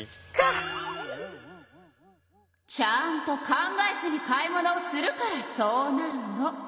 ちゃんと考えずに買い物をするからそうなるの！